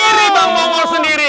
diri bang mongol sendiri